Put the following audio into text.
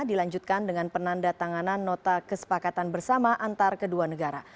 dilanjutkan dengan penanda tanganan nota kesepakatan bersama antar kedua negara